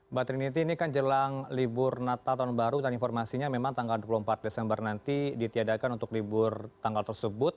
mbak trinity ini kan jelang libur natal tahun baru dan informasinya memang tanggal dua puluh empat desember nanti ditiadakan untuk libur tanggal tersebut